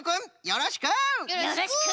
よろしく！